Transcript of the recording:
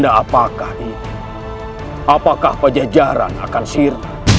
apakah pajajaran akan sir